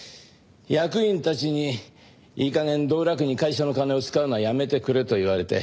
役員たちにいい加減道楽に会社の金を使うのはやめてくれと言われて。